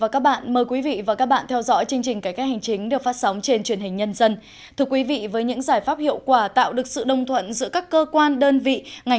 cảm ơn các bạn đã theo dõi